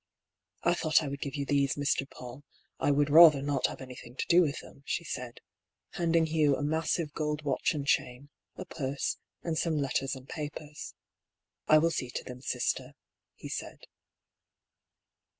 " I thought I would give you these, Mr. PauU. I would rather not have anything to do with them," she said, handing Hugh a massive gold watch and chain, a purse, and some letters and papers. " I will see to them, sister," he said.